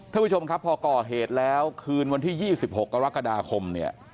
ท่านผู้ชมครับพอก่อเหตุแล้วคืนวันที่๒๖กรกฎาคมเนี่ย